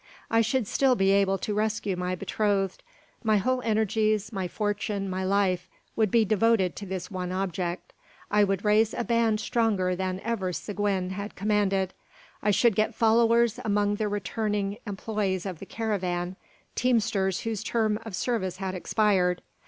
I should still be able to rescue my betrothed. My whole energies, my fortune, my life, would be devoted to this one object. I would raise a band stronger than ever Seguin had commanded. I should get followers among the returning employes of the caravan; teamsters whose term of service had expired.